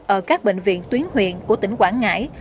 ở các bệnh viện tuyến huyện của tỉnh quảng ngãi